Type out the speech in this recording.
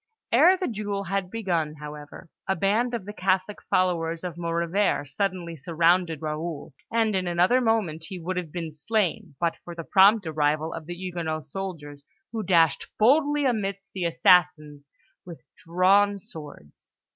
Ere the duel had begun, however, a band of the Catholic followers of Maurevert suddenly surrounded Raoul; and in another moment he would have been slain, but for the prompt arrival of the Huguenot soldiers, who dashed boldly amidst the assassins with drawn swords.